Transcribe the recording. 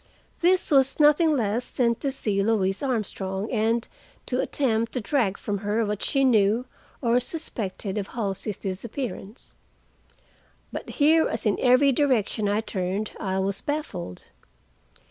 This was nothing less than to see Louise Armstrong, and to attempt to drag from her what she knew, or suspected, of Halsey's disappearance. But here, as in every direction I turned, I was baffled.